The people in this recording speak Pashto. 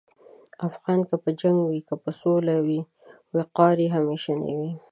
افغان که په جنګ کې وي که په سولې کې، وقار یې همیشنی وي.